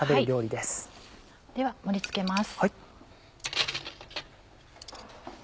では盛り付けます。